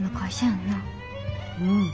うん。